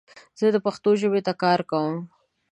زه پښتو ژبې ته کار کوم